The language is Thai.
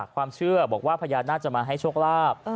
ความเชื่อบอกว่าพญานาคจะมาให้โชคลาภ